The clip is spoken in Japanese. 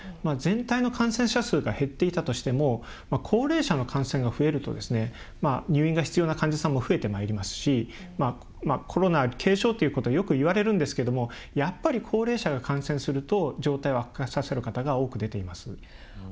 全体の感染者数が減っていたとしても高齢者の感染が増えると入院が必要な患者さんも増えてまいりますしコロナ軽症ということをよく言われるんですがやっぱり、高齢者が感染すると状態を悪化させる方が多く出ています。